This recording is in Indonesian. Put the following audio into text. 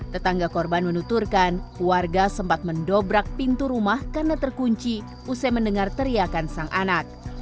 tetangga korban menuturkan warga sempat mendobrak pintu rumah karena terkunci usai mendengar teriakan sang anak